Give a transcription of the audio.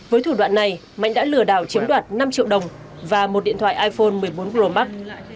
với thủ đoạn này mạnh đã lừa đảo chiếm đoạt năm triệu đồng và một điện thoại iphone một mươi bốn pro max